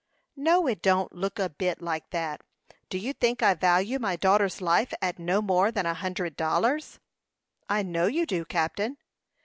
"No it don't look a bit like it. Do you think I value my daughter's life at no more than a hundred dollars?" "I know you do, captain."